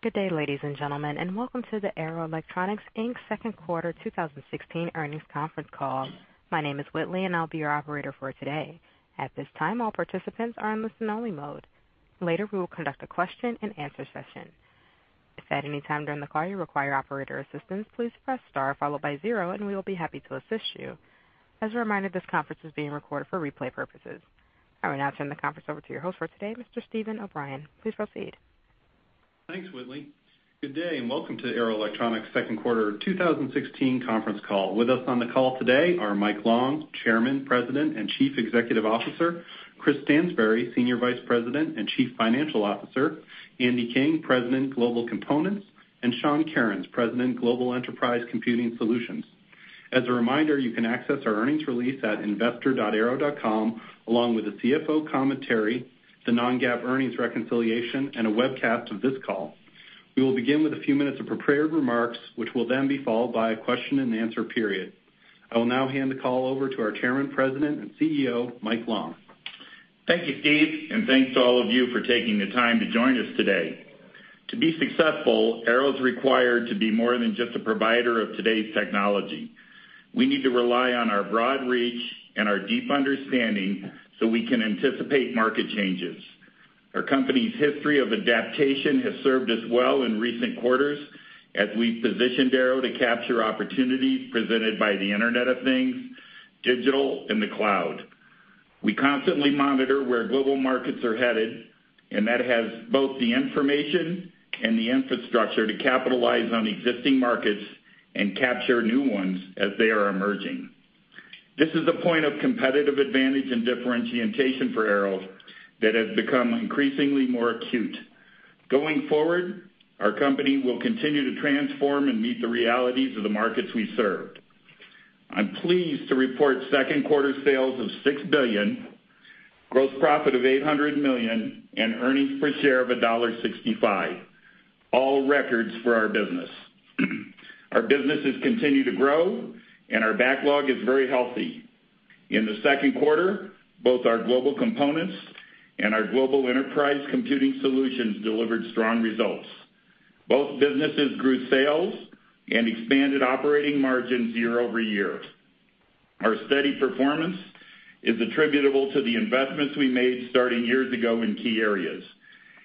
Good day, ladies and gentlemen, and welcome to the Arrow Electronics Inc's second quarter 2016 earnings conference call. My name is Whitley, and I'll be your operator for today. At this time, all participants are in listen-only mode. Later, we will conduct a question-and-answer session. If at any time during the call you require operator assistance, please press star followed by zero, and we will be happy to assist you. As a reminder, this conference is being recorded for replay purposes. I will now turn the conference over to your host for today, Mr. Steven O'Brien. Please proceed. Thanks, Whitley. Good day, and welcome to Arrow Electronics' second quarter 2016 conference call. With us on the call today are Mike Long, Chairman, President, and Chief Executive Officer, Chris Stansbury, Senior Vice President and Chief Financial Officer, Andy King, President, Global Components, and Sean Kerins, President, Global Enterprise Computing Solutions. As a reminder, you can access our earnings release at investor.arrow.com, along with the CFO commentary, the non-GAAP earnings reconciliation, and a webcast of this call. We will begin with a few minutes of prepared remarks, which will then be followed by a question-and-answer period. I will now hand the call over to our Chairman, President, and CEO, Mike Long. Thank you, Steve, and thanks to all of you for taking the time to join us today. To be successful, Arrow is required to be more than just a provider of today's technology. We need to rely on our broad reach and our deep understanding so we can anticipate market changes. Our company's history of adaptation has served us well in recent quarters as we've positioned Arrow to capture opportunities presented by the Internet of Things, digital, and the cloud. We constantly monitor where global markets are headed, and that has both the information and the infrastructure to capitalize on existing markets and capture new ones as they are emerging. This is a point of competitive advantage and differentiation for Arrow that has become increasingly more acute. Going forward, our company will continue to transform and meet the realities of the markets we serve. I'm pleased to report second quarter sales of $6 billion, gross profit of $800 million, and earnings per share of $1.65, all records for our business. Our businesses continue to grow, and our backlog is very healthy. In the second quarter, both our Global Components and our Global Enterprise Computing Solutions delivered strong results. Both businesses grew sales and expanded operating margins year-over-year. Our steady performance is attributable to the investments we made starting years ago in key areas.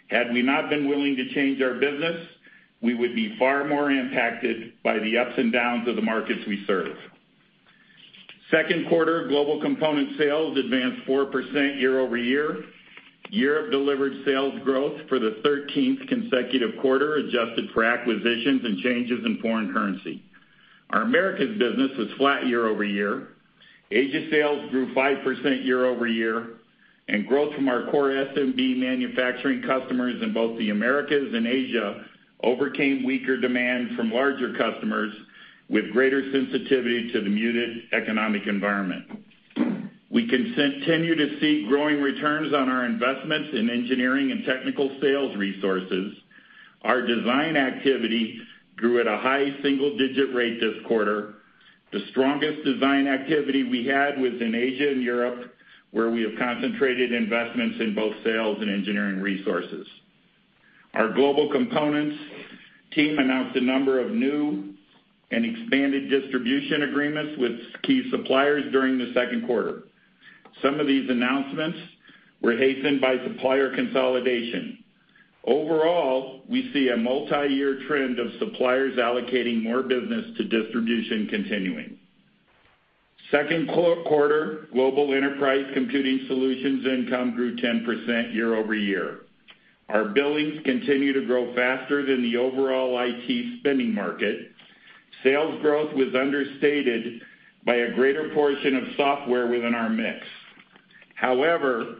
Had we not been willing to change our business, we would be far more impacted by the ups and downs of the markets we serve. Second quarter Global Components sales advanced 4% year-over-year. Europe delivered sales growth for the 13th consecutive quarter, adjusted for acquisitions and changes in foreign currency. Our Americas business was flat year-over-year. Asia sales grew 5% year-over-year, and growth from our core SMB manufacturing customers in both the Americas and Asia overcame weaker demand from larger customers with greater sensitivity to the muted economic environment. We continue to see growing returns on our investments in engineering and technical sales resources. Our design activity grew at a high single-digit rate this quarter. The strongest design activity we had was in Asia and Europe, where we have concentrated investments in both sales and engineering resources. Our global components team announced a number of new and expanded distribution agreements with key suppliers during the second quarter. Some of these announcements were hastened by supplier consolidation. Overall, we see a multiyear trend of suppliers allocating more business to distribution continuing. Second quarter, global enterprise computing solutions income grew 10% year-over-year. Our billings continue to grow faster than the overall IT spending market. Sales growth was understated by a greater portion of software within our mix. However,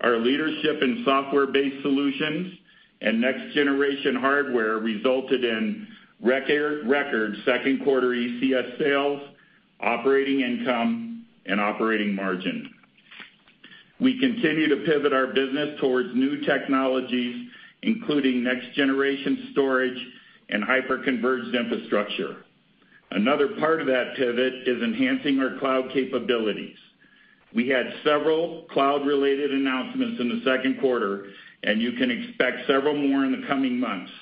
our leadership in software-based solutions and next-generation hardware resulted in record second quarter ECS sales, operating income, and operating margin. We continue to pivot our business towards new technologies, including next-generation storage and hyper-converged infrastructure. Another part of that pivot is enhancing our cloud capabilities. We had several cloud-related announcements in the second quarter, and you can expect several more in the coming months.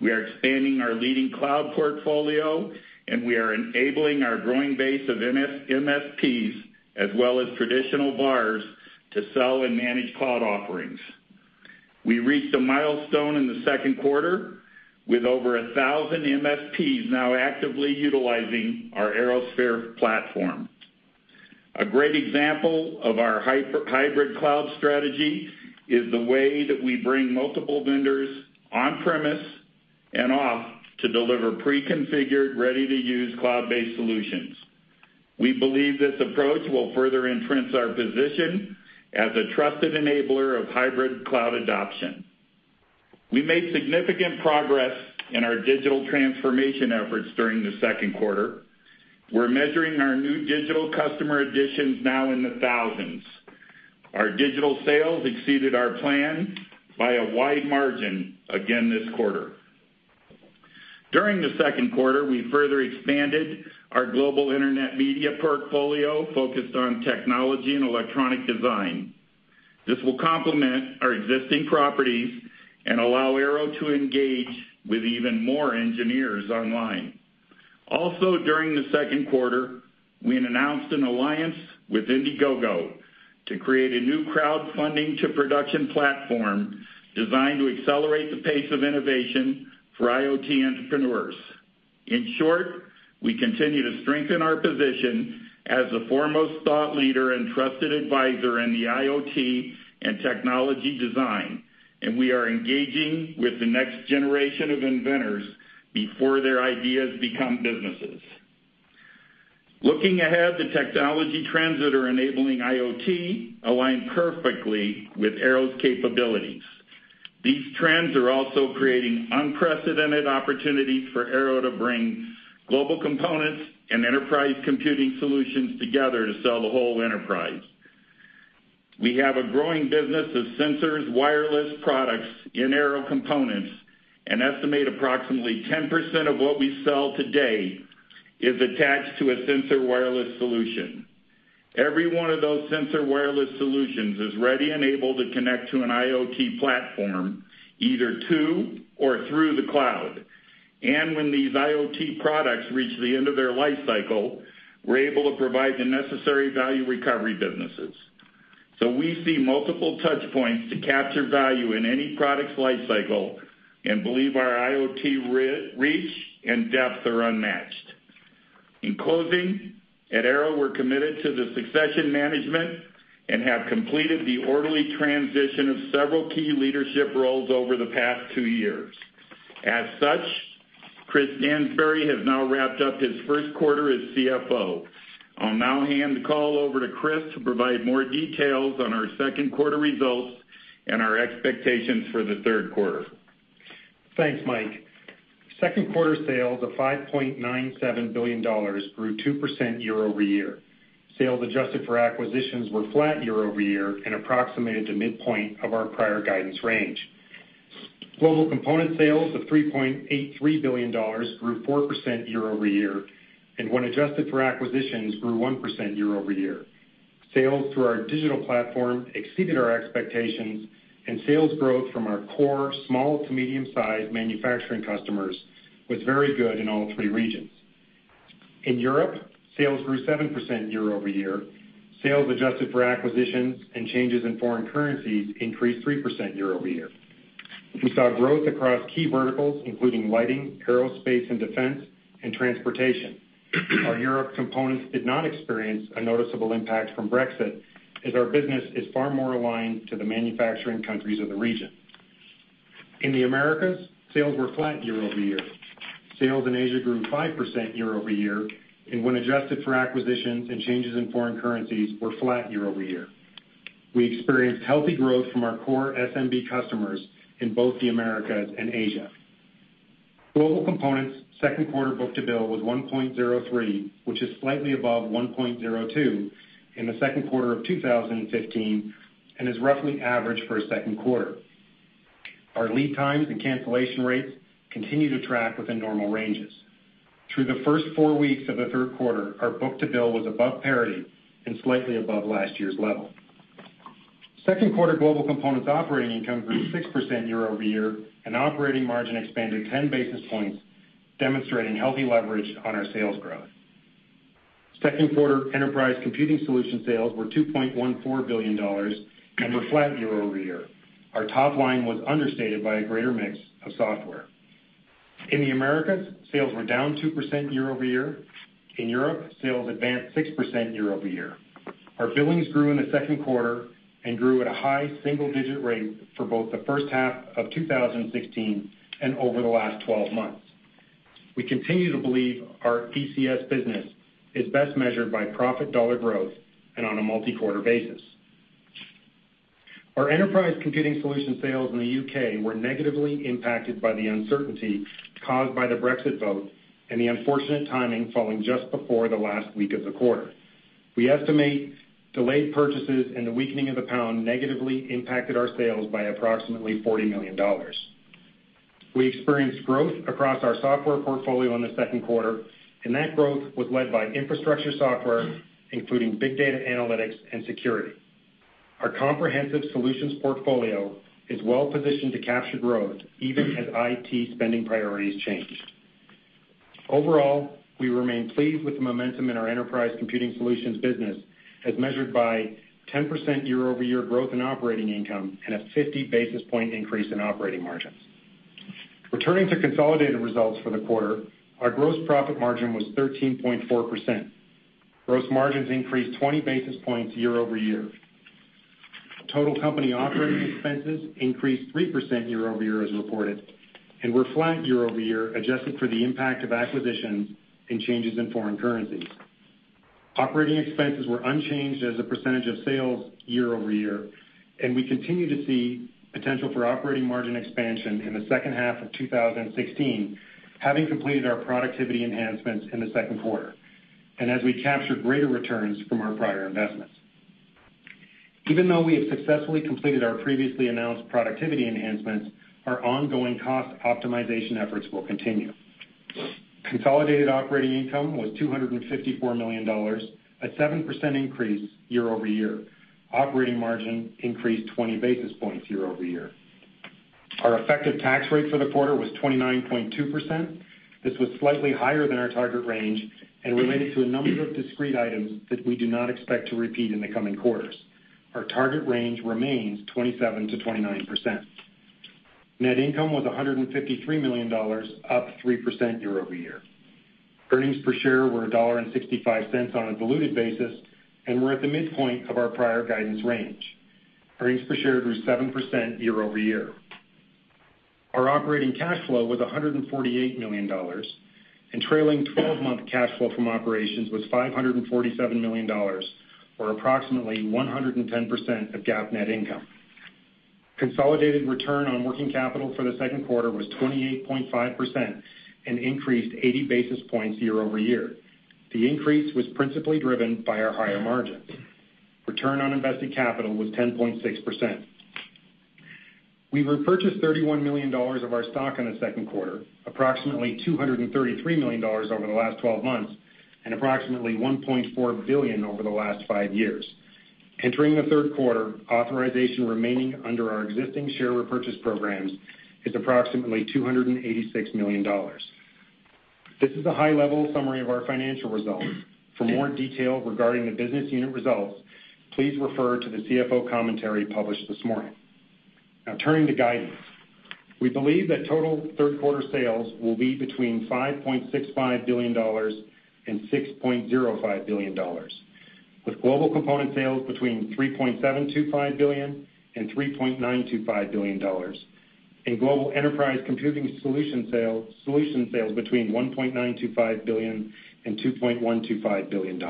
We are expanding our leading cloud portfolio, and we are enabling our growing base of MSPs, as well as traditional VARs, to sell and manage cloud offerings. We reached a milestone in the second quarter with over a thousand MSPs now actively utilizing our ArrowSphere platform. A great example of our hybrid cloud strategy is the way that we bring multiple vendors on-premise and off to deliver preconfigured, ready-to-use cloud-based solutions. We believe this approach will further entrench our position as a trusted enabler of hybrid cloud adoption. We made significant progress in our digital transformation efforts during the second quarter. We're measuring our new digital customer additions now in the thousands. Our digital sales exceeded our plan by a wide margin again this quarter. During the second quarter, we further expanded our global internet media portfolio focused on technology and electronic design. This will complement our existing properties and allow Arrow to engage with even more engineers online. Also, during the second quarter, we announced an alliance with Indiegogo to create a new crowdfunding to production platform designed to accelerate the pace of innovation for IoT entrepreneurs. In short, we continue to strengthen our position as the foremost thought leader and trusted advisor in the IoT and technology design, and we are engaging with the next generation of inventors before their ideas become businesses. Looking ahead, the technology trends that are enabling IoT align perfectly with Arrow's capabilities. These trends are also creating unprecedented opportunities for Arrow to bring Global Components and Enterprise Computing Solutions together to sell the whole enterprise. We have a growing business of sensors, wireless products in Arrow components, and estimate approximately 10% of what we sell today is attached to a sensor wireless solution. Every one of those sensor wireless solutions is ready and able to connect to an IoT platform, either to or through the cloud. When these IoT products reach the end of their life cycle, we're able to provide the necessary value recovery businesses. So we see multiple touch points to capture value in any product's life cycle and believe our IoT reach and depth are unmatched. In closing, at Arrow, we're committed to the succession management and have completed the orderly transition of several key leadership roles over the past two years. As such, Chris Stansbury has now wrapped up his first quarter as CFO. I'll now hand the call over to Chris to provide more details on our second quarter results and our expectations for the third quarter. Thanks, Mike. Second quarter sales of $5.97 billion grew 2% year over year. Sales adjusted for acquisitions were flat year over year and approximated to midpoint of our prior guidance range. Global Components sales of $3.83 billion grew 4% year-over-year, and when adjusted for acquisitions, grew 1% year-over-year. Sales through our digital platform exceeded our expectations, and sales growth from our core small to medium-sized manufacturing customers was very good in all three regions. In Europe, sales grew 7% year over year. Sales adjusted for acquisitions and changes in foreign currencies increased 3% year over year. We saw growth across key verticals, including lighting, aerospace and defense, and transportation. Our Europe components did not experience a noticeable impact from Brexit, as our business is far more aligned to the manufacturing countries of the region. In the Americas, sales were flat year-over-year. Sales in Asia grew 5% year-over-year, and when adjusted for acquisitions and changes in foreign currencies, were flat year-over-year. We experienced healthy growth from our core SMB customers in both the Americas and Asia. Global Components' second quarter book-to-bill was 1.03, which is slightly above 1.02 in the second quarter of 2015, and is roughly average for a second quarter. Our lead times and cancellation rates continue to track within normal ranges. Through the first four weeks of the third quarter, our book-to-bill was above parity and slightly above last year's level. Second quarter Global Components operating income grew 6% year-over-year, and operating margin expanded ten basis points, demonstrating healthy leverage on our sales growth. Second quarter Enterprise Computing Solutions sales were $2.14 billion and were flat year-over-year. Our top line was understated by a greater mix of software. In the Americas, sales were down 2% year-over-year. In Europe, sales advanced 6% year-over-year. Our billings grew in the second quarter and grew at a high single-digit rate for both the first half of 2016 and over the last 12 months. We continue to believe our ECS business is best measured by profit dollar growth and on a multi-quarter basis. Our Enterprise Computing Solutions sales in the UK were negatively impacted by the uncertainty caused by the Brexit vote and the unfortunate timing falling just before the last week of the quarter. We estimate delayed purchases and the weakening of the pound negatively impacted our sales by approximately $40 million. We experienced growth across our software portfolio in the second quarter, and that growth was led by infrastructure software, including big data analytics and security. Our comprehensive solutions portfolio is well positioned to capture growth even as IT spending priorities change. Overall, we remain pleased with the momentum in our Enterprise Computing Solutions business, as measured by 10% year-over-year growth in operating income and a 50 basis point increase in operating margins. Returning to consolidated results for the quarter, our gross profit margin was 13.4%. Gross margins increased 20 basis points year-over-year. Total company operating expenses increased 3% year-over-year as reported, and were flat year-over-year, adjusted for the impact of acquisitions and changes in foreign currencies. Operating expenses were unchanged as a percentage of sales year-over-year, and we continue to see potential for operating margin expansion in the second half of 2016, having completed our productivity enhancements in the second quarter, and as we capture greater returns from our prior investments. Even though we have successfully completed our previously announced productivity enhancements, our ongoing cost optimization efforts will continue. Consolidated operating income was $254 million, a 7% increase year-over-year. Operating margin increased 20 basis points year-over-year. Our effective tax rate for the quarter was 29.2%. This was slightly higher than our target range and related to a number of discrete items that we do not expect to repeat in the coming quarters. Our target range remains 27%-29%. Net income was $153 million, up 3% year-over-year. Earnings per share were $1.65 on a diluted basis, and we're at the midpoint of our prior guidance range. Earnings per share grew 7% year-over-year. Our operating cash flow was $148 million, and trailing twelve-month cash flow from operations was $547 million, or approximately 110% of GAAP net income. Consolidated return on working capital for the second quarter was 28.5% and increased 80 basis points year-over-year. The increase was principally driven by our higher margins. Return on Invested Capital was 10.6%. We repurchased $31 million of our stock in the second quarter, approximately $233 million over the last 12 months, and approximately $1.4 billion over the last five years. Entering the third quarter, authorization remaining under our existing share repurchase programs is approximately $286 million. This is a high-level summary of our financial results. For more detail regarding the business unit results, please refer to the CFO commentary published this morning. Now turning to guidance. We believe that total third quarter sales will be between $5.65-$6.05 billion, with Global Components sales between $3.725-$3.925 billion, and Global Enterprise Computing Solutions sales, solution sales between $1.925-$2.125 billion.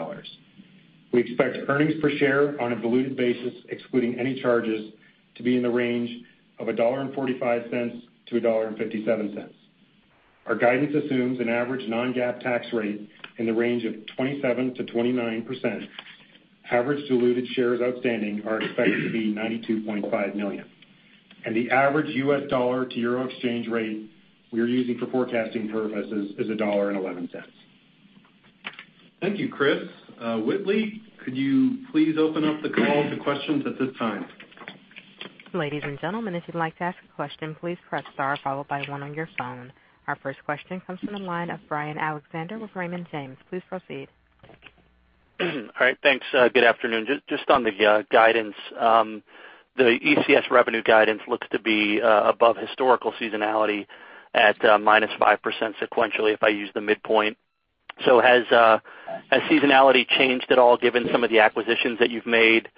We expect earnings per share on a diluted basis, excluding any charges, to be in the range of $1.45-$1.57. Our guidance assumes an average non-GAAP tax rate in the range of 27%-29%. Average diluted shares outstanding are expected to be 92.5 million, and the average US dollar to euro exchange rate we are using for forecasting purposes is $1.11. Thank you, Chris. Whitley, could you please open up the call to questions at this time? Ladies and gentlemen, if you'd like to ask a question, please press star, followed by one on your phone. Our first question comes from the line of Brian Alexander with Raymond James. Please proceed. All right, thanks. Good afternoon. Just on the guidance, the ECS revenue guidance looks to be above historical seasonality at minus 5% sequentially, if I use the midpoint. So has seasonality changed at all, given some of the acquisitions that you've made,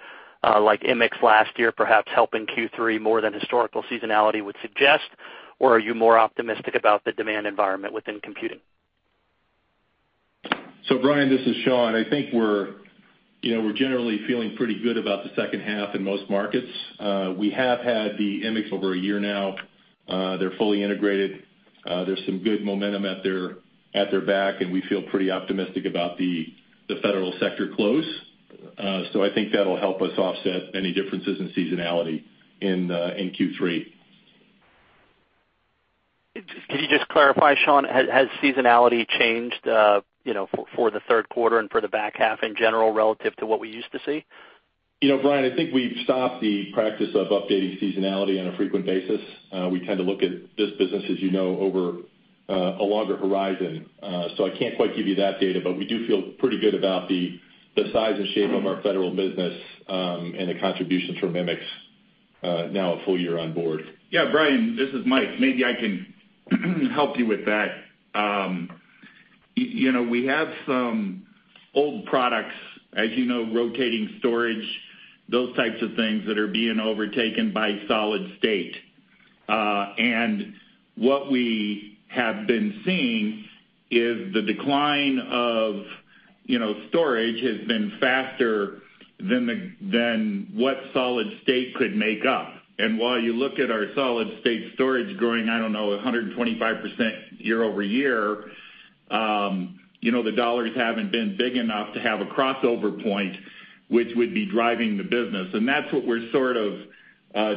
like immixGroup last year, perhaps helping Q3 more than historical seasonality would suggest? Or are you more optimistic about the demand environment within computing? So Brian, this is Sean. I think we're, you know, we're generally feeling pretty good about the second half in most markets. We have had the immixGroup over a year now. They're fully integrated. There's some good momentum at their back, and we feel pretty optimistic about the federal sector close. So I think that'll help us offset any differences in seasonality in Q3. Just, could you just clarify, Sean, has seasonality changed, you know, for the third quarter and for the back half in general, relative to what we used to see? You know, Brian, I think we've stopped the practice of updating seasonality on a frequent basis. We tend to look at this business, as you know, over a longer horizon. So I can't quite give you that data, but we do feel pretty good about the size and shape of our federal business, and the contributions from Immix, now a full year on board. Yeah, Brian, this is Mike. Maybe I can help you with that. You know, we have some old products, as you know, rotating storage, those types of things that are being overtaken by solid state. And what we have been seeing is the decline of, you know, storage has been faster than what solid state could make up. And while you look at our solid state storage growing, I don't know, 125% year-over-year, you know, the dollars haven't been big enough to have a crossover point, which would be driving the business, and that's what we're sort of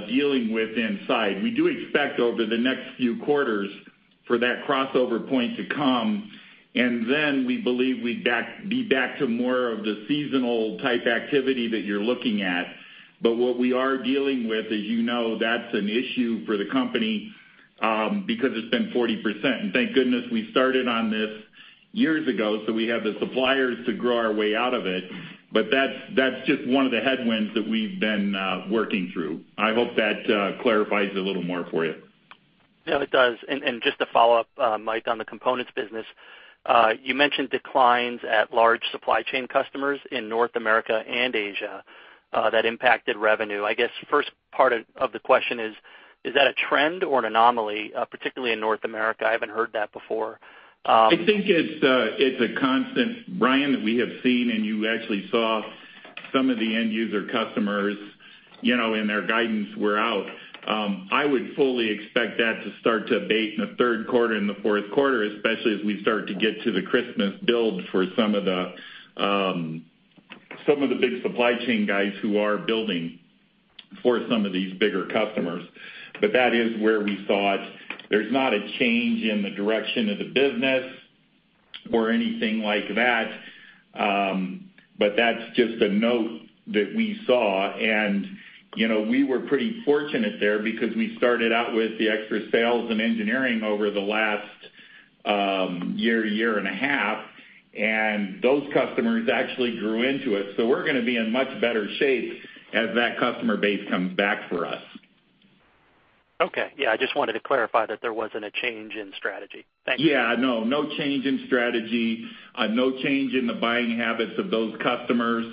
dealing with inside. We do expect over the next few quarters for that crossover point to come, and then we believe we be back to more of the seasonal type activity that you're looking at. But what we are dealing with, as you know, that's an issue for the company, because it's been 40%. And thank goodness we started on this years ago, so we have the suppliers to grow our way out of it. But that's, that's just one of the headwinds that we've been working through. I hope that clarifies it a little more for you. Yeah, it does. And just to follow up, Mike, on the components business, you mentioned declines at large supply chain customers in North America and Asia that impacted revenue. I guess, first part of the question is, is that a trend or an anomaly, particularly in North America? I haven't heard that before. I think it's a constant, Brian, that we have seen, and you actually saw some of the end user customers.... you know, and their guidance were out. I would fully expect that to start to abate in the third quarter and the fourth quarter, especially as we start to get to the Christmas build for some of the, some of the big supply chain guys who are building for some of these bigger customers. But that is where we saw it. There's not a change in the direction of the business or anything like that, but that's just a note that we saw, and, you know, we were pretty fortunate there because we started out with the extra sales and engineering over the last, year, year and a half, and those customers actually grew into it. So we're gonna be in much better shape as that customer base comes back for us. Okay. Yeah, I just wanted to clarify that there wasn't a change in strategy. Thank you. Yeah, no, no change in strategy, no change in the buying habits of those customers.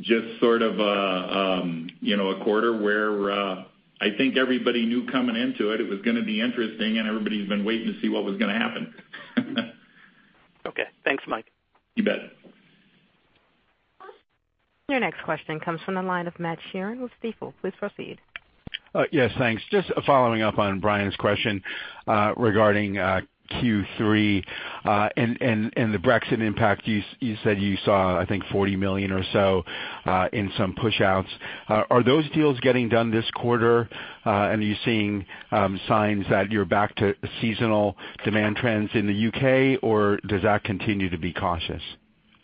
Just sort of a, you know, a quarter where, I think everybody knew coming into it, it was gonna be interesting, and everybody's been waiting to see what was gonna happen. Okay. Thanks, Mike. You bet. Your next question comes from the line of Matt Sheeran with Stifel. Please proceed. Yes, thanks. Just following up on Brian's question, regarding Q3, and the Brexit impact. You said you saw, I think, $40 million or so in some pushouts. Are those deals getting done this quarter? And are you seeing signs that you're back to seasonal demand trends in the U.K., or does that continue to be cautious?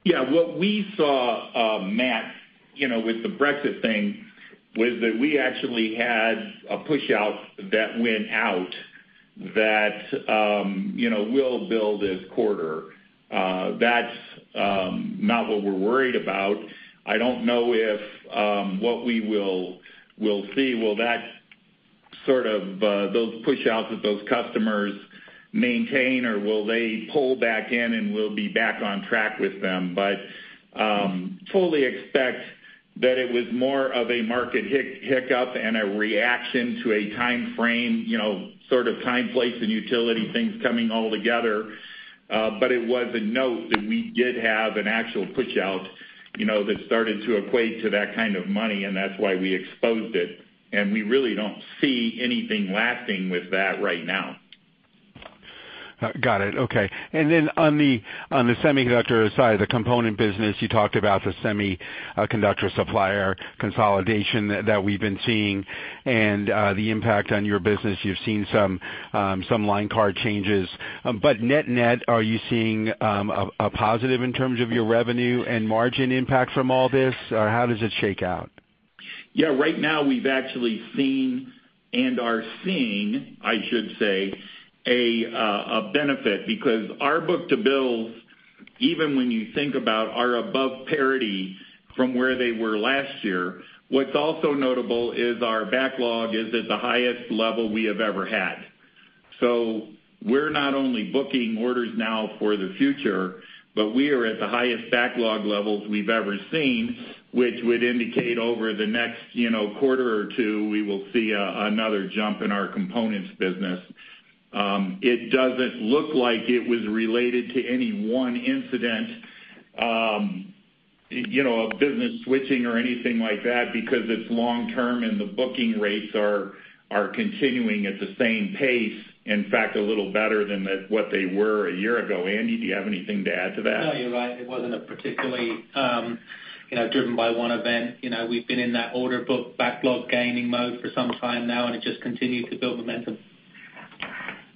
Yeah, what we saw, Matt, you know, with the Brexit thing was that we actually had a pushout that went out, that, you know, we'll build this quarter. That's not what we're worried about. I don't know if, what we will see, will that sort of, those pushouts that those customers maintain, or will they pull back in, and we'll be back on track with them. But, totally expect that it was more of a market hiccup and a reaction to a time frame, you know, sort of time, place, and utility things coming all together. But it was a note that we did have an actual pushout, you know, that started to equate to that kind of money, and that's why we exposed it, and we really don't see anything lasting with that right now. Got it. Okay. And then on the semiconductor side, the component business, you talked about the semiconductor supplier consolidation that we've been seeing and the impact on your business. You've seen some line card changes. But net-net, are you seeing a positive in terms of your revenue and margin impact from all this, or how does it shake out? Yeah, right now we've actually seen, and are seeing, I should say, a benefit because our book-to-bills, even when you think about, are above parity from where they were last year. What's also notable is our backlog is at the highest level we have ever had. So we're not only booking orders now for the future, but we are at the highest backlog levels we've ever seen, which would indicate over the next, you know, quarter or two, we will see another jump in our components business. It doesn't look like it was related to any one incident, you know, a business switching or anything like that because it's long term, and the booking rates are continuing at the same pace, in fact, a little better than what they were a year ago. Andy, do you have anything to add to that? No, you're right. It wasn't a particularly, you know, driven by one event. You know, we've been in that order book backlog gaining mode for some time now, and it just continued to build momentum.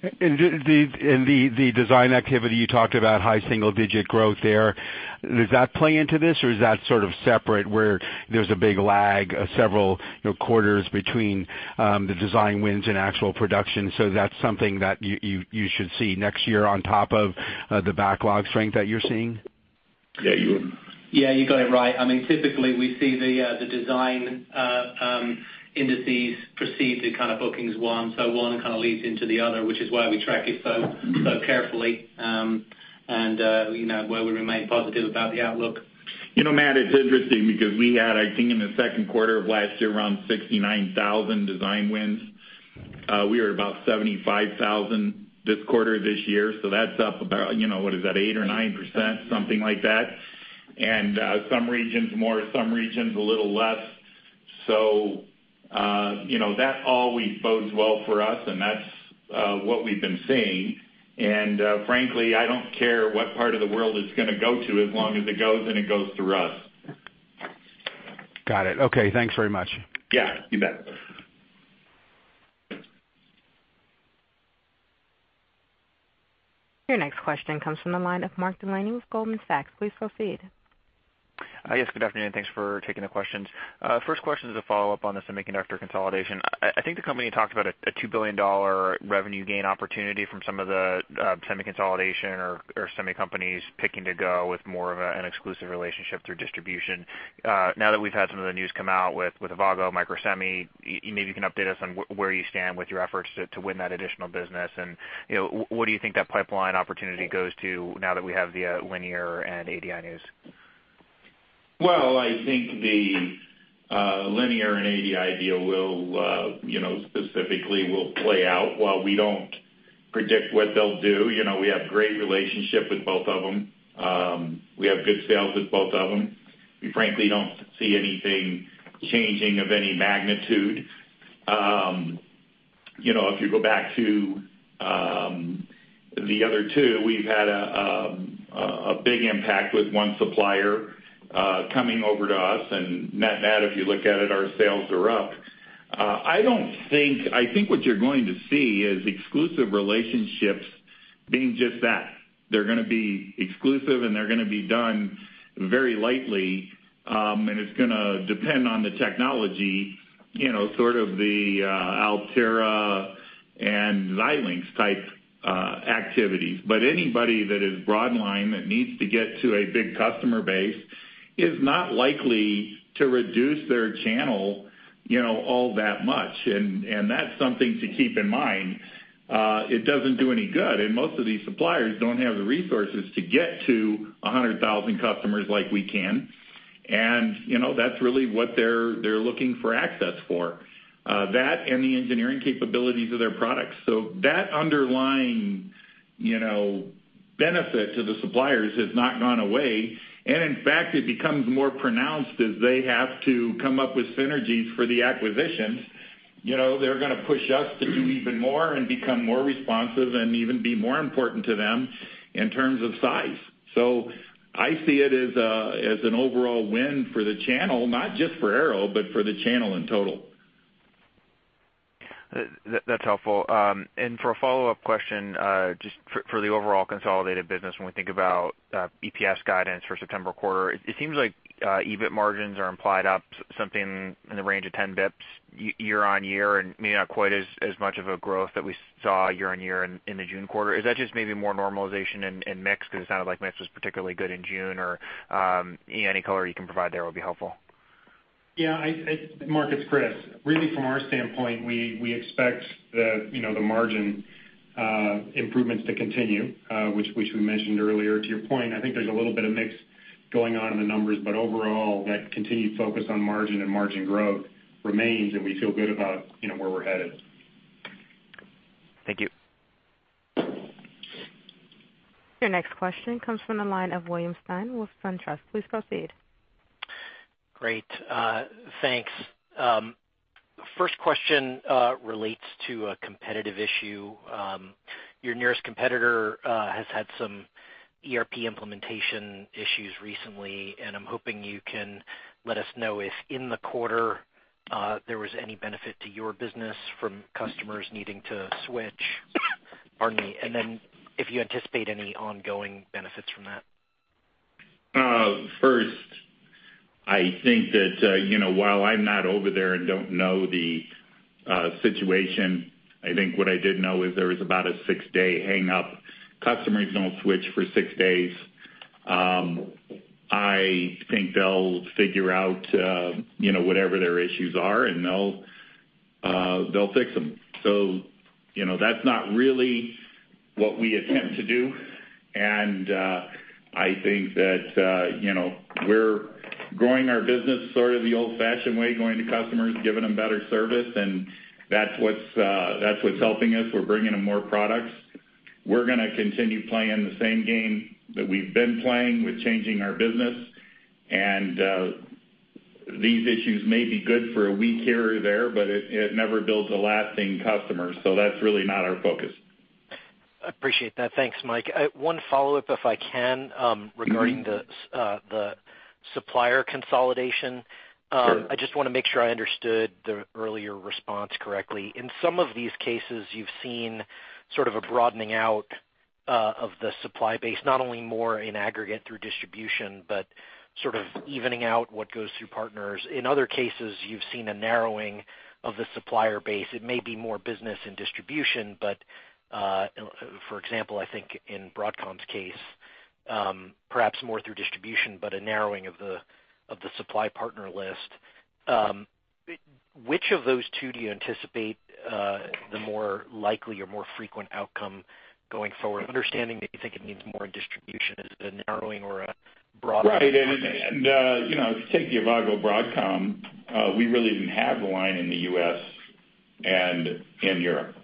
The design activity, you talked about high single digit growth there. Does that play into this, or is that sort of separate, where there's a big lag of several, you know, quarters between the design wins and actual production, so that's something that you should see next year on top of the backlog strength that you're seeing? Yeah, you- Yeah, you got it right. I mean, typically, we see the design indices precede to kind of bookings one, so one kind of leads into the other, which is why we track it so carefully, and you know, why we remain positive about the outlook. You know, Matt, it's interesting because we had, I think, in the second quarter of last year, around 69,000 design wins. We were about 75,000 this quarter, this year, so that's up about, you know, what is that? 8% or 9%, something like that. And some regions more, some regions a little less. So you know, that always bodes well for us, and that's what we've been seeing. And frankly, I don't care what part of the world it's gonna go to, as long as it goes and it goes through us. Got it. Okay, thanks very much. Yeah, you bet. Your next question comes from the line of Mark Delaney with Goldman Sachs. Please proceed. Yes, good afternoon. Thanks for taking the questions. First question is a follow-up on the semiconductor consolidation. I think the company talked about a $2 billion revenue gain opportunity from some of the semi consolidation or semi companies picking to go with more of an exclusive relationship through distribution. Now that we've had some of the news come out with Avago, Microsemi, you maybe can update us on where you stand with your efforts to win that additional business. And, you know, what do you think that pipeline opportunity goes to now that we have the Linear and ADI news? Well, I think the Linear and ADI deal will, you know, specifically will play out. While we don't predict what they'll do. You know, we have great relationship with both of them. We have good sales with both of them. We frankly don't see anything changing of any magnitude. You know, if you go back to the other two, we've had a big impact with one supplier coming over to us. And net-net, if you look at it, our sales are up. I think what you're going to see is exclusive relationships being just that. They're gonna be exclusive, and they're gonna be done very lightly. And it's gonna depend on the technology, you know, sort of the Altera and Xilinx type activities. But anybody that is broad line, that needs to get to a big customer base, is not likely to reduce their channel, you know, all that much. And, and that's something to keep in mind. It doesn't do any good, and most of these suppliers don't have the resources to get to 100,000 customers like we can. And, you know, that's really what they're, they're looking for access for, that and the engineering capabilities of their products. So that underlying, you know, benefit to the suppliers has not gone away. And in fact, it becomes more pronounced as they have to come up with synergies for the acquisitions. You know, they're gonna push us to do even more and become more responsive and even be more important to them in terms of size. So I see it as an overall win for the channel, not just for Arrow, but for the channel in total. That's helpful. And for a follow-up question, just for the overall consolidated business, when we think about EPS guidance for September quarter, it seems like EBIT margins are implied up something in the range of 10 basis points year-over-year, and maybe not quite as much of a growth that we saw year-over-year in the June quarter. Is that just maybe more normalization in mix? Because it sounded like mix was particularly good in June, or any color you can provide there will be helpful. Yeah, Mark, it's Chris. Really, from our standpoint, we expect the, you know, the margin improvements to continue, which we mentioned earlier to your point. I think there's a little bit of mix going on in the numbers, but overall, that continued focus on margin and margin growth remains, and we feel good about, you know, where we're headed. Thank you. Your next question comes from the line of William Stein with SunTrust. Please proceed. Great. Thanks. First question relates to a competitive issue. Your nearest competitor has had some ERP implementation issues recently, and I'm hoping you can let us know if in the quarter there was any benefit to your business from customers needing to switch? Pardon me, and then if you anticipate any ongoing benefits from that. First, I think that, you know, while I'm not over there and don't know the situation, I think what I did know is there was about a six-day hangup. Customers don't switch for six days. I think they'll figure out, you know, whatever their issues are, and they'll, they'll fix them. So, you know, that's not really what we attempt to do. And, I think that, you know, we're growing our business sort of the old-fashioned way, going to customers, giving them better service, and that's what's, that's what's helping us. We're bringing them more products. We're gonna continue playing the same game that we've been playing with changing our business. And, these issues may be good for a week here or there, but it, it never builds a lasting customer, so that's really not our focus. I appreciate that. Thanks, Mike. One follow-up, if I can, Mm-hmm. regarding the supplier consolidation. Sure. I just wanna make sure I understood the earlier response correctly. In some of these cases, you've seen sort of a broadening out of the supply base, not only more in aggregate through distribution, but sort of evening out what goes through partners. In other cases, you've seen a narrowing of the supplier base. It may be more business in distribution, but for example, I think in Broadcom's case, perhaps more through distribution, but a narrowing of the supply partner list. Which of those two do you anticipate the more likely or more frequent outcome going forward? Understanding that you think it means more in distribution, is it a narrowing or a broadening? Right. And, you know, if you take the Avago Broadcom, we really didn't have the line in the US and in Europe,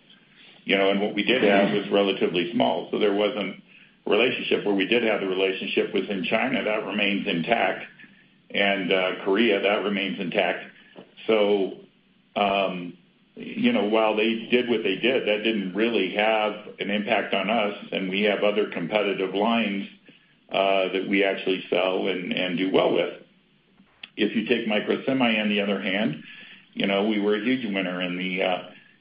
you know, and what we did have- Mm-hmm. was relatively small, so there wasn't a relationship. Where we did have the relationship was in China. That remains intact, and Korea, that remains intact. So, you know, while they did what they did, that didn't really have an impact on us, and we have other competitive lines that we actually sell and do well with. If you take Microsemi on the other hand, you know, we were a huge winner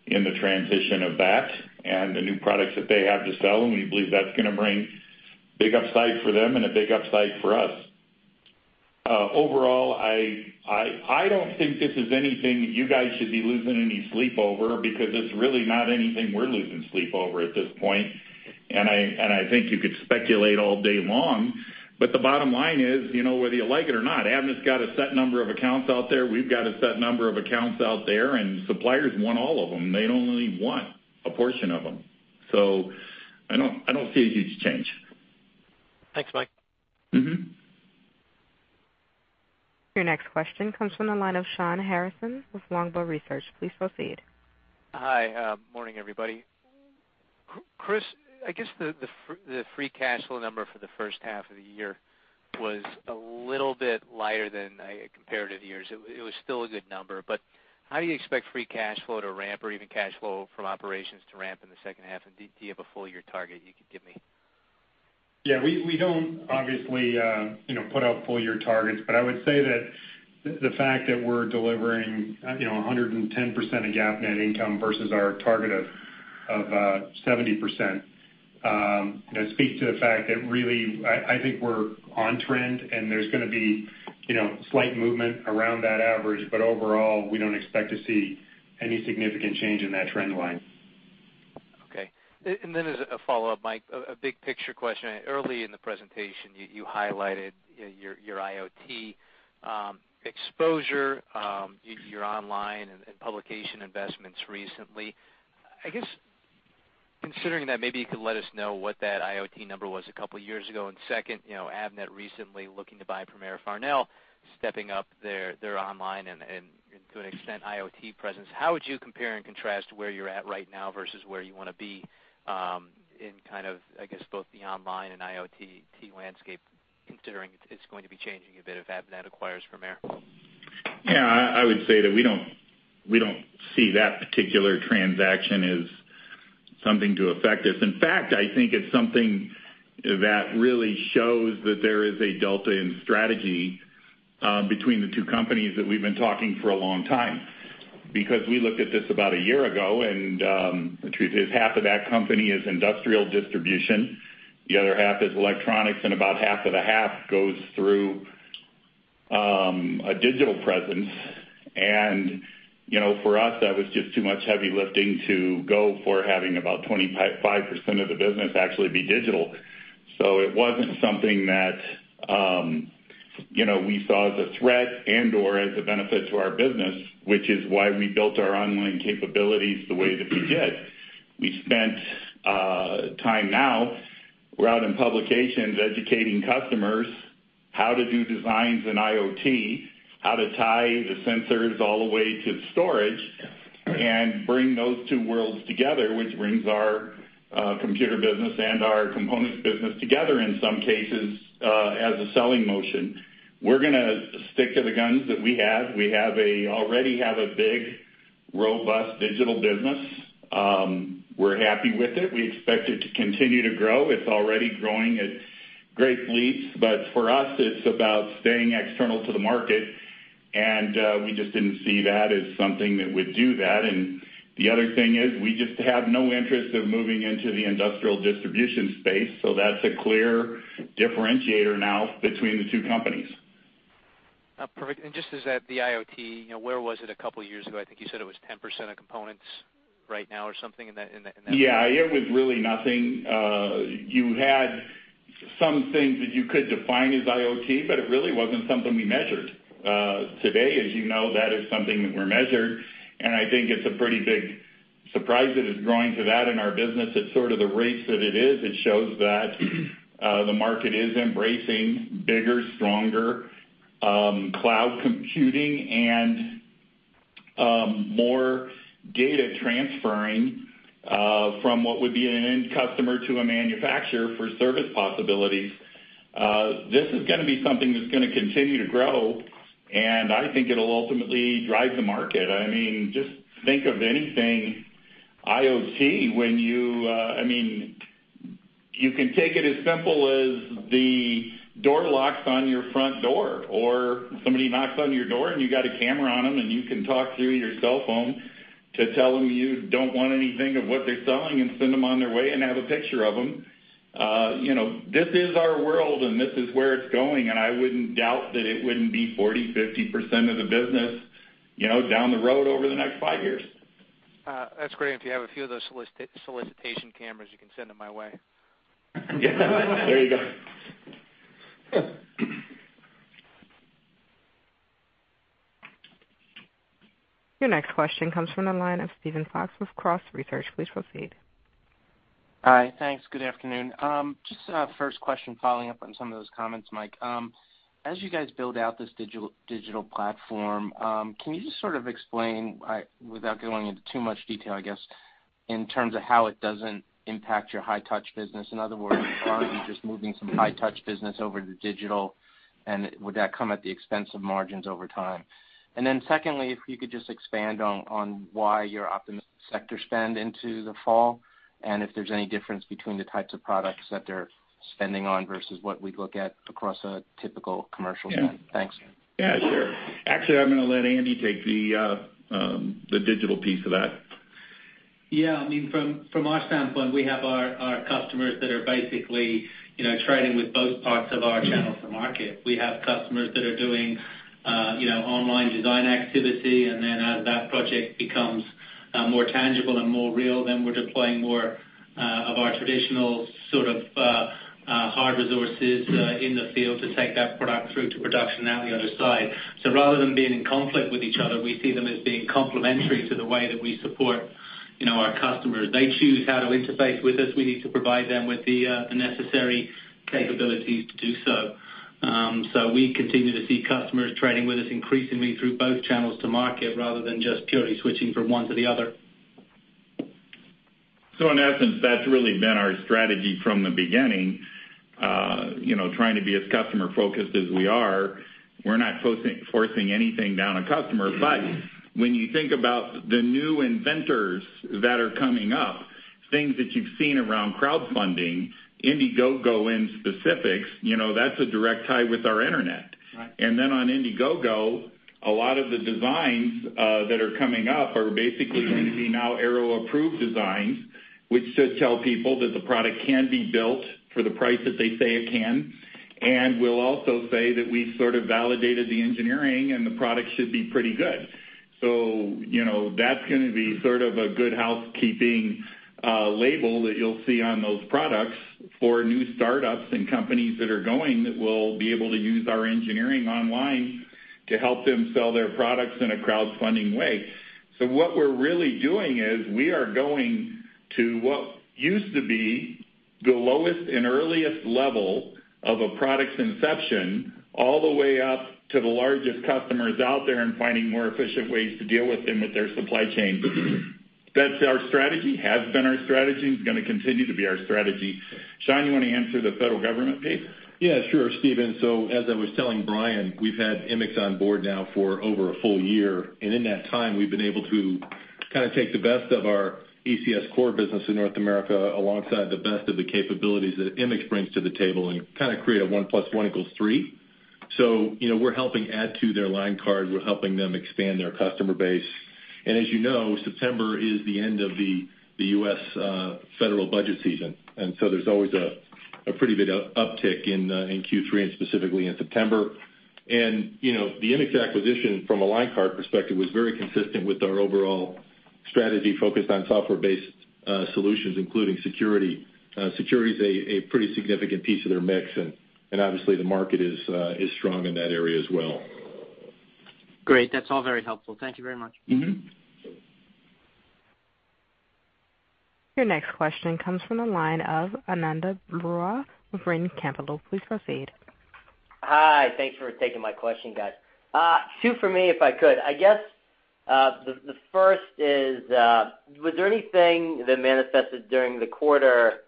in the transition of that and the new products that they have to sell, and we believe that's gonna bring big upside for them and a big upside for us. Overall, I don't think this is anything you guys should be losing any sleep over, because it's really not anything we're losing sleep over at this point. I think you could speculate all day long, but the bottom line is, you know, whether you like it or not, Avnet got a set number of accounts out there. We've got a set number of accounts out there, and suppliers want all of them. They don't only want a portion of them. So I don't see a huge change. Thanks, Mike. Mm-hmm. Your next question comes from the line of Shawn Harrison with Longbow Research. Please proceed. Hi, morning, everybody. Chris, I guess the free cash flow number for the first half of the year was a little bit lighter than comparative years. It was still a good number, but how do you expect free cash flow to ramp or even cash flow from operations to ramp in the second half? And do you have a full year target you could give me? Yeah, we don't obviously, you know, put out full year targets. But I would say that the fact that we're delivering, you know, 110% of GAAP net income versus our target of seventy percent, you know, speak to the fact that really, I think we're on trend, and there's gonna be, you know, slight movement around that average. But overall, we don't expect to see any significant change in that trend line. Okay. And then as a follow-up, Mike, a big picture question. Early in the presentation, you highlighted, you know, your IoT exposure, your online and publication investments recently. I guess, considering that, maybe you could let us know what that IoT number was a couple years ago? And second, you know, Avnet recently looking to buy Premier Farnell, stepping up their online and, to an extent, IoT presence. How would you compare and contrast where you're at right now versus where you wanna be, in kind of, I guess, both the online and IoT landscape, considering it's going to be changing a bit if Avnet acquires Premier? Yeah, I would say that we don't see that particular transaction as something to affect us. In fact, I think it's something that really shows that there is a delta in strategy between the two companies that we've been talking for a long time. Because we looked at this about a year ago, and the truth is, half of that company is industrial distribution, the other half is electronics, and about half of the half goes through a digital presence. You know, for us, that was just too much heavy lifting to go for having about 25% of the business actually be digital. So it wasn't something that, you know, we saw as a threat and/or as a benefit to our business, which is why we built our online capabilities the way that we did. We spent time now, we're out in publications educating customers how to do designs in IoT, how to tie the sensors all the way to storage, and bring those two worlds together, which brings our computer business and our components business together in some cases as a selling motion. We're gonna stick to the guns that we have. We already have a big, robust digital business. We're happy with it. We expect it to continue to grow. It's already growing at great leaps, but for us, it's about staying external to the market, and we just didn't see that as something that would do that. The other thing is, we just have no interest in moving into the industrial distribution space, so that's a clear differentiator now between the two companies. Perfect. And just as that, the IoT, you know, where was it a couple of years ago? I think you said it was 10% of components right now, or something in that, in that- Yeah, it was really nothing. You had some things that you could define as IoT, but it really wasn't something we measured. Today, as you know, that is something that we're measured, and I think it's a pretty big surprise that it's growing to that in our business. It's sort of the race that it is. It shows that, the market is embracing bigger, stronger, cloud computing and, more data transferring, from what would be an end customer to a manufacturer for service possibilities. This is gonna be something that's gonna continue to grow, and I think it'll ultimately drive the market. I mean, just think of anything IoT, when you—I mean, you can take it as simple as the door locks on your front door, or somebody knocks on your door, and you got a camera on them, and you can talk through your cell phone to tell them you don't want anything of what they're selling and send them on their way and have a picture of them. You know, this is our world, and this is where it's going, and I wouldn't doubt that it wouldn't be 40%-50% of the business, you know, down the road over the next five years. That's great. If you have a few of those solicitation cameras, you can send them my way. There you go. Your next question comes from the line of Steven Fox with Cross Research. Please proceed. Hi, thanks. Good afternoon. Just, first question, following up on some of those comments, Mike. As you guys build out this digital platform, can you just sort of explain, without going into too much detail, I guess, in terms of how it doesn't impact your high touch business? In other words, are you just moving some high touch business over to digital, and would that come at the expense of margins over time? And then secondly, if you could just expand on, on why you're optimistic sector spend into the fall, and if there's any difference between the types of products that they're spending on versus what we'd look at across a typical commercial bank? Yeah. Thanks. Yeah, sure. Actually, I'm gonna let Andy take the digital piece of that. Yeah. I mean, from our standpoint, we have our customers that are basically, you know, trading with both parts of our channels to market. We have customers that are doing, you know, online design activity, and then as that project becomes more tangible and more real, then we're deploying more of our traditional sort of hard resources in the field to take that product through to production out the other side. So rather than being in conflict with each other, we see them as being complementary to the way that we support, you know, our customers. They choose how to interface with us. We need to provide them with the necessary capabilities to do so. We continue to see customers trading with us increasingly through both channels to market, rather than just purely switching from one to the other. So in essence, that's really been our strategy from the beginning. You know, trying to be as customer focused as we are, we're not forcing anything down a customer. But when you think about the new inventors that are coming up, things that you've seen around crowdfunding, Indiegogo in specifics, you know, that's a direct tie with our internet. Right. And then on Indiegogo, a lot of the designs that are coming up are basically going to be now Arrow approved designs, which should tell people that the product can be built for the price that they say it can, and will also say that we sort of validated the engineering and the product should be pretty good. So, you know, that's gonna be sort of a good housekeeping label that you'll see on those products for new startups and companies that are going, that will be able to use our engineering online to help them sell their products in a crowdfunding way. So what we're really doing is, we are going to what used to be the lowest and earliest level of a product's inception, all the way up to the largest customers out there, and finding more efficient ways to deal with them with their supply chain. That's our strategy, has been our strategy, and is gonna continue to be our strategy. Sean, you wanna answer the federal government piece? Yeah, sure, Steven. So as I was telling Brian, we've had Immix on board now for over a full year, and in that time, we've been able to kind of take the best of our ECS core business in North America, alongside the best of the capabilities that Immix brings to the table, and kind of create a one plus one equals three. So, you know, we're helping add to their line card, we're helping them expand their customer base. And as you know, September is the end of the U.S. federal budget season. And so there's always a pretty big uptick in Q3, and specifically in September. And, you know, the Immix acquisition from a line card perspective was very consistent with our overall strategy, focused on software-based solutions, including security. Security is a pretty significant piece of their mix, and obviously, the market is strong in that area as well. Great. That's all very helpful. Thank you very much. Mm-hmm. Your next question comes from the line of Ananda Baruah, Brean Capital. Please proceed. Hi, thanks for taking my question, guys. Two for me, if I could. I guess, the first is, was there anything that manifested during the quarter,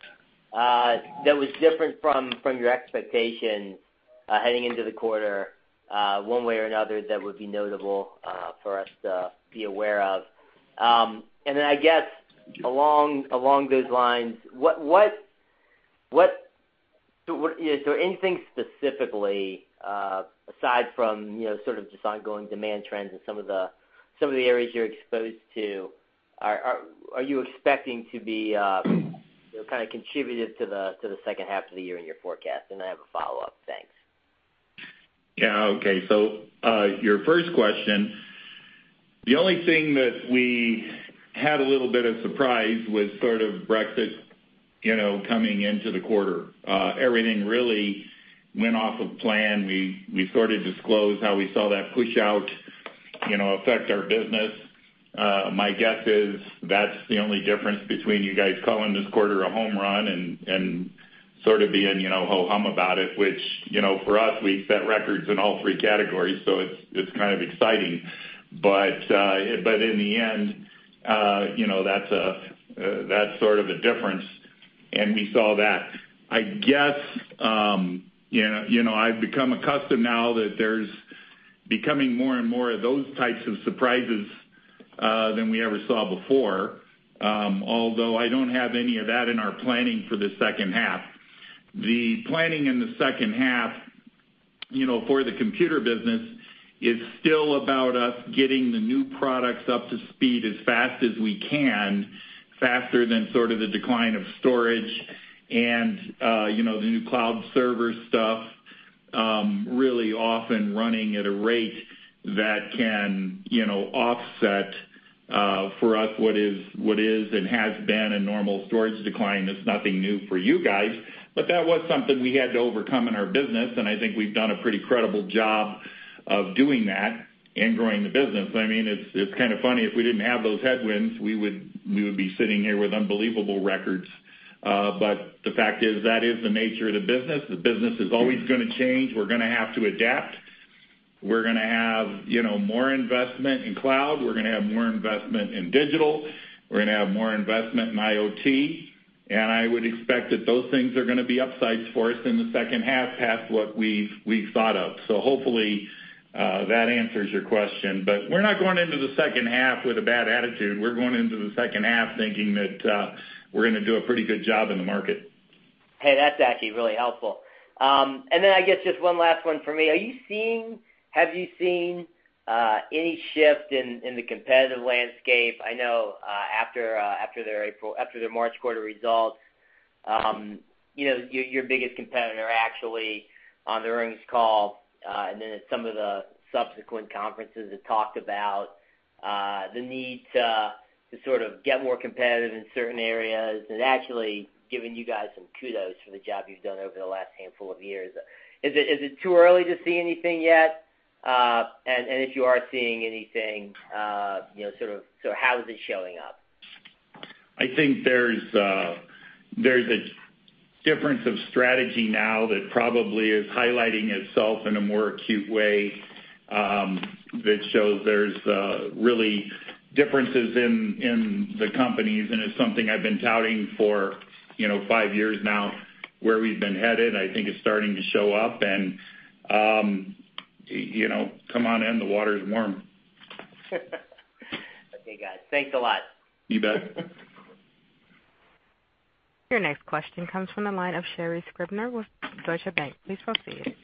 that was different from your expectations, heading into the quarter, one way or another, that would be notable, for us to be aware of? And then I guess, along those lines, what is there anything specifically, aside from, you know, sort of just ongoing demand trends and some of the areas you're exposed to, are you expecting to be, you know, kind of contributive to the second half of the year in your forecast? And I have a follow-up. Thanks. Yeah. Okay. So, your first question, the only thing that we had a little bit of surprise was sort of Brexit, you know, coming into the quarter. Everything really went off of plan. We, we sort of disclosed how we saw that push out, you know, affect our business. My guess is that's the only difference between you guys calling this quarter a home run and, and sort of being, you know, ho-hum about it, which, you know, for us, we set records in all three categories, so it's, it's kind of exciting. But, but in the end, you know, that's a, that's sort of a difference, and we saw that. I guess, you know, I've become accustomed now that there's becoming more and more of those types of surprises than we ever saw before, although I don't have any of that in our planning for the second half. The planning in the second half, you know, for the computer business, is still about us getting the new products up to speed as fast as we can, faster than sort of the decline of storage and, you know, the new cloud server stuff, really often running at a rate that can, you know, offset for us, what is and has been a normal storage decline. That's nothing new for you guys, but that was something we had to overcome in our business, and I think we've done a pretty credible job of doing that and growing the business. I mean, it's, it's kind of funny, if we didn't have those headwinds, we would, we would be sitting here with unbelievable records. But the fact is, that is the nature of the business. The business is always gonna change. We're gonna have to adapt. We're gonna have, you know, more investment in cloud, we're gonna have more investment in digital, we're gonna have more investment in IoT, and I would expect that those things are gonna be upsides for us in the second half, past what we've, we've thought of. So hopefully, that answers your question. But we're not going into the second half with a bad attitude. We're going into the second half thinking that, we're gonna do a pretty good job in the market. Hey, that's actually really helpful. And then I guess just one last one for me. Are you seeing, have you seen any shift in the competitive landscape? I know, after their March quarter results, you know, your biggest competitor actually on the earnings call, and then at some of the subsequent conferences, have talked about the need to sort of get more competitive in certain areas and actually giving you guys some kudos for the job you've done over the last handful of years. Is it too early to see anything yet? ... and if you are seeing anything, you know, sort of, so how is it showing up? I think there's, there's a difference of strategy now that probably is highlighting itself in a more acute way, that shows there's, really differences in, in the companies, and it's something I've been touting for, you know, five years now, where we've been headed, I think it's starting to show up. And, you know, come on in, the water's warm. Okay, guys. Thanks a lot. You bet. Your next question comes from the line of Sherri Scribner with Deutsche Bank. Please proceed.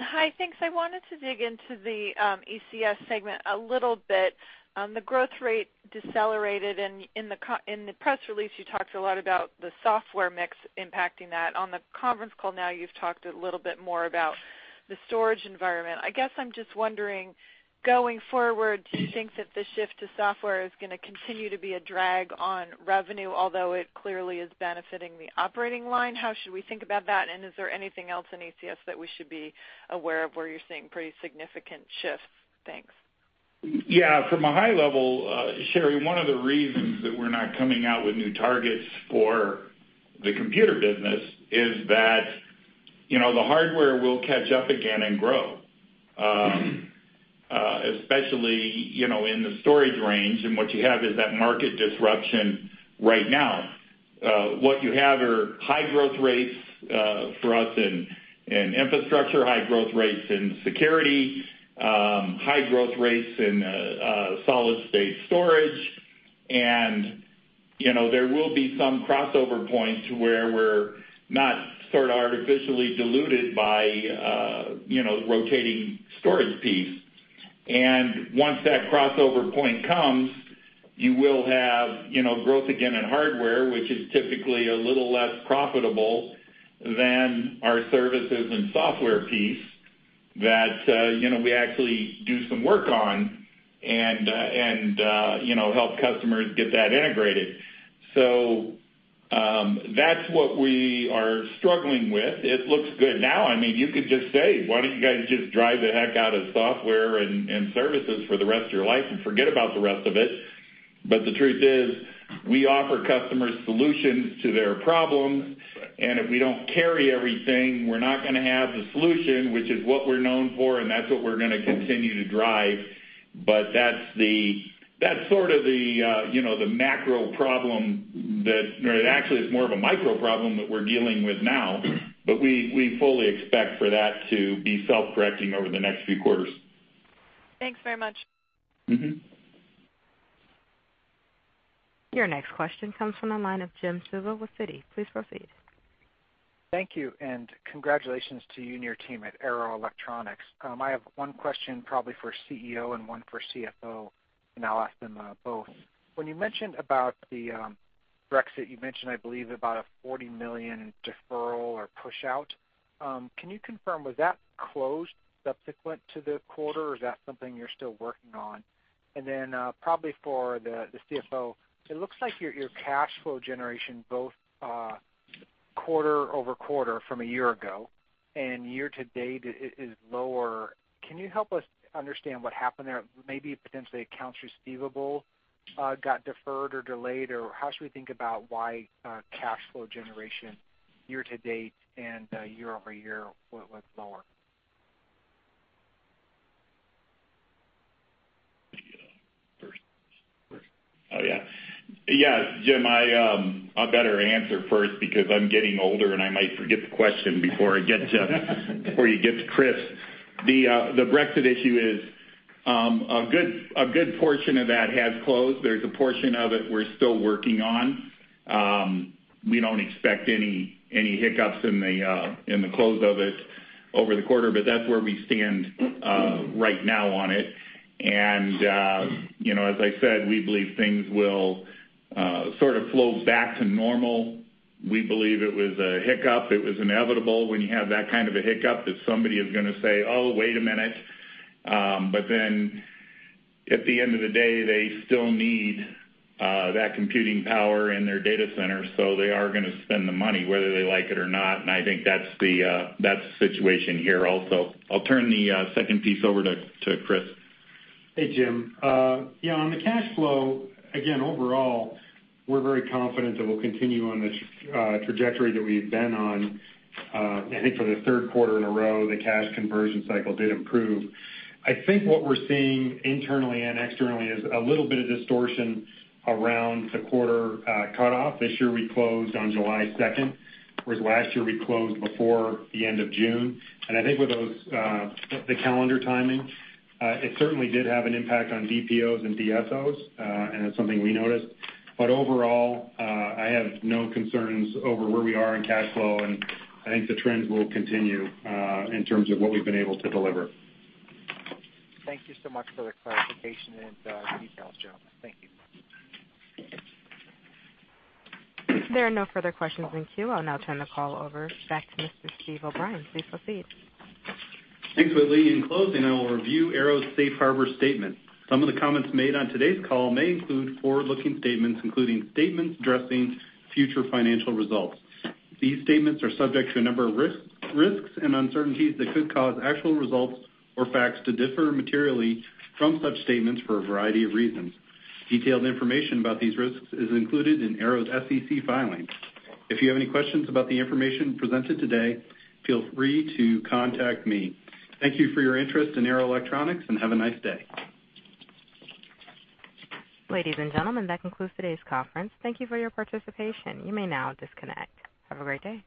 Hi, thanks. I wanted to dig into the ECS segment a little bit. The growth rate decelerated, and in the press release, you talked a lot about the software mix impacting that. On the conference call now, you've talked a little bit more about the storage environment. I guess I'm just wondering, going forward, do you think that the shift to software is gonna continue to be a drag on revenue, although it clearly is benefiting the operating line? How should we think about that? And is there anything else in ECS that we should be aware of, where you're seeing pretty significant shifts? Thanks. Yeah, from a high level, Sherry, one of the reasons that we're not coming out with new targets for the computer business is that, you know, the hardware will catch up again and grow. Especially, you know, in the storage range, and what you have is that market disruption right now. What you have are high growth rates for us in infrastructure, high growth rates in security, high growth rates in solid state storage. And, you know, there will be some crossover points where we're not sort of artificially diluted by, you know, rotating storage piece. And once that crossover point comes, you will have, you know, growth again in hardware, which is typically a little less profitable than our services and software piece that, you know, we actually do some work on, and you know, help customers get that integrated. That's what we are struggling with. It looks good now. I mean, you could just say, "Why don't you guys just drive the heck out of software and services for the rest of your life and forget about the rest of it?" But the truth is, we offer customers solutions to their problems, and if we don't carry everything, we're not gonna have the solution, which is what we're known for, and that's what we're gonna continue to drive. But that's the-- that's sort of the, you know, the macro problem that... Actually, it's more of a micro problem that we're dealing with now, but we fully expect for that to be self-correcting over the next few quarters. Thanks very much. Mm-hmm. Your next question comes from the line of Jim Suva with Citi. Please proceed. Thank you, and congratulations to you and your team at Arrow Electronics. I have one question probably for CEO and one for CFO, and I'll ask them both. When you mentioned about the Brexit, you mentioned, I believe, about a $40 million deferral or push-out. Can you confirm, was that closed subsequent to the quarter, or is that something you're still working on? And then, probably for the CFO, it looks like your cash flow generation, both quarter-over-quarter from a year ago and year-to-date is lower. Can you help us understand what happened there? Maybe potentially accounts receivable got deferred or delayed, or how should we think about why cash flow generation year-to-date and year-over-year went, was lower? Oh, yeah. Yes, Jim, I, I better answer first because I'm getting older, and I might forget the question before you get to Chris. The Brexit issue is, a good portion of that has closed. There's a portion of it we're still working on. We don't expect any hiccups in the close of it over the quarter, but that's where we stand right now on it. And, you know, as I said, we believe things will sort of flow back to normal. We believe it was a hiccup. It was inevitable when you have that kind of a hiccup that somebody is gonna say, "Oh, wait a minute." But then, at the end of the day, they still need that computing power in their data center, so they are gonna spend the money whether they like it or not, and I think that's the, that's the situation here also. I'll turn the second piece over to Chris. Hey, Jim. Yeah, on the cash flow, again, overall, we're very confident that we'll continue on this trajectory that we've been on. I think for the third quarter in a row, the cash conversion cycle did improve. I think what we're seeing internally and externally is a little bit of distortion around the quarter cutoff. This year, we closed on July 2nd, whereas last year, we closed before the end of June. And I think with those, the calendar timing, it certainly did have an impact on DPOs and DSOs, and it's something we noticed. But overall, I have no concerns over where we are in cash flow, and I think the trends will continue in terms of what we've been able to deliver. Thank you so much for the clarification and, the details, gentlemen. Thank you. There are no further questions in queue. I'll now turn the call over back to Mr. Steve O'Brien. Please proceed. Thanks, Lee. In closing, I will review Arrow's safe harbor statement. Some of the comments made on today's call may include forward-looking statements, including statements addressing future financial results. These statements are subject to a number of risks, risks and uncertainties that could cause actual results or facts to differ materially from such statements for a variety of reasons. Detailed information about these risks is included in Arrow's SEC filings. If you have any questions about the information presented today, feel free to contact me. Thank you for your interest in Arrow Electronics, and have a nice day. Ladies and gentlemen, that concludes today's conference. Thank you for your participation. You may now disconnect. Have a great day.